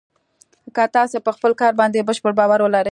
که تاسې په خپل کار باندې بشپړ باور لرئ